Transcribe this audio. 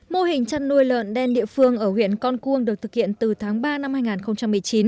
mô hình chăn nuôi lợn đen địa phương ở huyện con cuông được thực hiện từ tháng ba năm hai nghìn một mươi chín